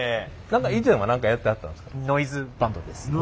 何か以前は何かやってはったんですか？